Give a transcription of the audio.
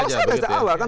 kalau saya dari awal kan